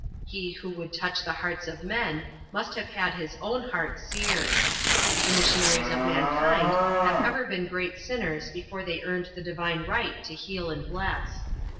He who would touch the hearts of men must have had his own heart seared. The missionaries of mankind have ever been great sinners before they earned the divine right to heal and bless.